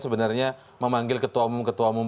sebenarnya memanggil ketua umum ketua umum